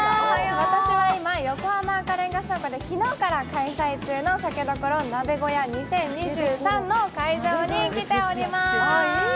私は今、横浜赤レンガ倉庫で昨日から開催中の、酒処鍋小屋２０２３の会場に来ております。